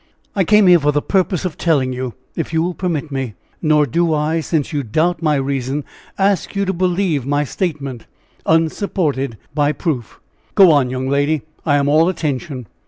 "I came here for the purpose of telling you, if you will permit me. Nor do I, since you doubt my reason, ask you to believe my statement, unsupported by proof." "Go on, young lady; I am all attention."